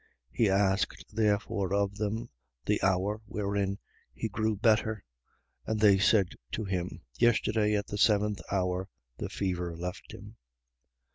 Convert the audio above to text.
4:52. He asked therefore of them the hour wherein he grew better. And they said to him: Yesterday at the seventh hour, the fever left him.